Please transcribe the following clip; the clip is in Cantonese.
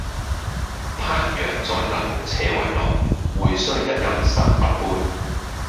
烹羊宰牛且為樂，會須一飲三百杯！